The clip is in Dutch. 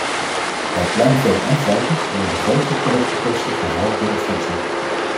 Bij pluimvee en varkens worden de grootste productiekosten gevormd door het voedsel.